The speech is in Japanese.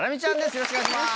よろしくお願いします。